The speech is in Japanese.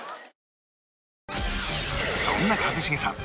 そんな一茂さん